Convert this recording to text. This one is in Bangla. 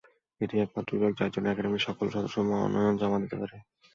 এটিই একমাত্র বিভাগ যার জন্য একাডেমির সকল সদস্য মনোনয়ন জমা দিতে পারে।